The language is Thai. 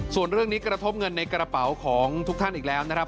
ส่วนเรื่องนี้กระทบเงินในกระเป๋าของทุกท่านอีกแล้วนะครับ